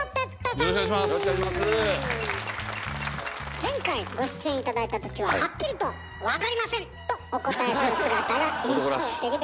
前回ご出演頂いた時ははっきりと「わかりません！」とお答えする姿が印象的で。